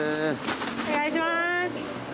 お願いします。